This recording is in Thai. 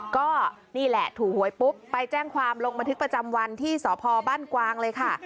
ก็นี่แหละถูกหวยปุ๊บไปแจ้งความลงบันทึกประจำวันที่สพบ้านกวางเลยค่ะ